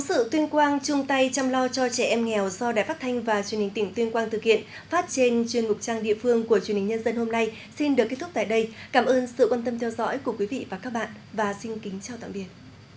chúc tại đây cảm ơn sự quan tâm theo dõi của quý vị và các bạn và xin kính chào tạm biệt